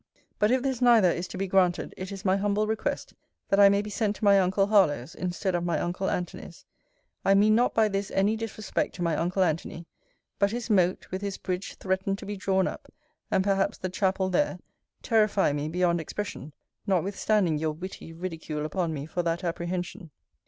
But if this, neither, is to be granted, it is my humble request, that I may be sent to my uncle Harlowe's, instead of my uncle Antony's. I mean not by this any disrespect to my uncle Antony: but his moat, with his bridge threatened to be drawn up, and perhaps the chapel there, terrify me beyond expression, notwithstanding your witty ridicule upon me for that apprehension.